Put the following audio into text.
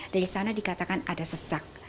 dari sana dikatakan ada sesak